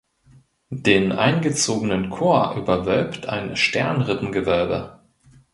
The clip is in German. Den eingezogenen Chor überwölbt ein Sternrippengewölbe.